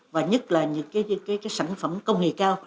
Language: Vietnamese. và nhất là những sản phẩm công nghệ cao